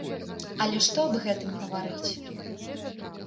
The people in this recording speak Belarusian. Але што аб гэтым гаварыць.